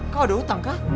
kau udah utang kah